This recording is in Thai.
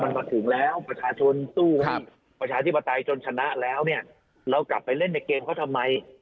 มันมาถึงแล้วประชาชนสู้ให้ประชาธิปไตยจนชนะแล้วเนี่ยเรากลับไปเล่นในเกมเขาทำไม